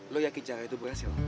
lo yakin cara itu berhasil